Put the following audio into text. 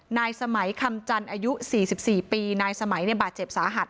นายสมัยคำจันทร์อายุ๔๔ปีนายสมัยบาดเจ็บสาหัส